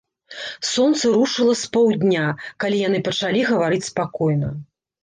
Сонца рушыла з паўдня, калі яны пачалі гаварыць спакойна.